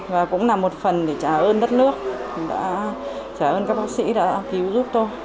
và cũng là một phần để trả ơn đất nước trả ơn các bác sĩ đã cứu giúp tôi